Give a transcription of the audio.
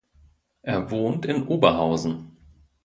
Er wohnt in Oberhausen.